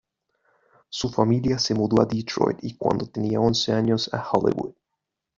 Su familia se mudó a Detroit y, cuando tenía once años, a Hollywood.